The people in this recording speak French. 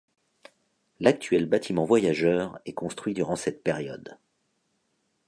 L'actuel bâtiment voyageurs est construit durant cette période.